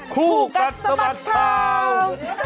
คู่กันสมัครครอง